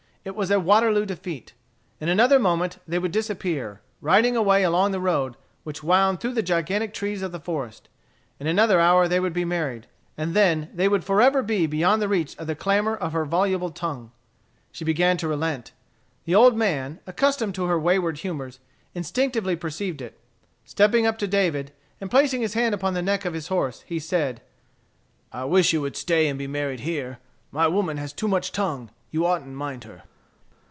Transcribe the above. It was a waterloo defeat. In another moment they would disappear, riding away along the road, which wound through the gigantic trees of the forest. In another hour they would be married. And then they would forever be beyond the reach of the clamor of her voluble tongue. She began to relent. The old man, accustomed to her wayward humors, instinctively perceived it. Stepping up to David, and placing his hand upon the neck of his horse, he said: "I wish you would stay and be married here. My woman has too much tongue. You oughtn't mind her."